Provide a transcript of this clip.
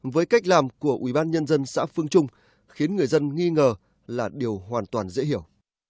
với cách làm của ủy ban nhân dân xã phương trung khiến người dân nghi ngờ là điều hoàn toàn dễ hiểu